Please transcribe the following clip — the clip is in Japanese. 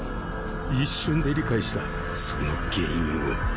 一瞬で理解したその原因を。